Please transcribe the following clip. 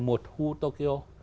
mùa thu tokyo